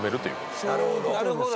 なるほど。